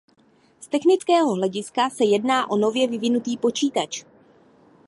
Z technického hlediska se jedná o nově vyvinutý počítač.